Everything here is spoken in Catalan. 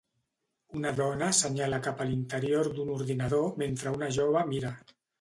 Una dona assenyala cap a l'interior d'un ordinador mentre una jove mira.